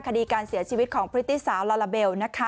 คดีการเสียชีวิตของพฤติสาวลาลาเบลนะคะ